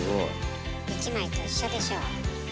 １枚と一緒でしょう？